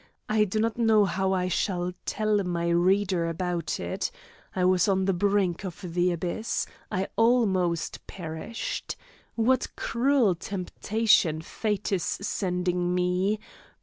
I do not know how I shall tell my reader about it. I was on the brink of the abyss, I almost perished. What cruel temptations fate is sending me!